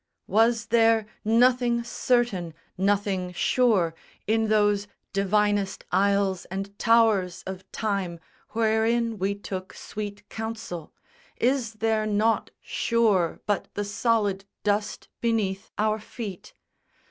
Was there nothing certain, nothing sure In those divinest aisles and towers of Time Wherein we took sweet counsel? Is there nought Sure but the solid dust beneath our feet?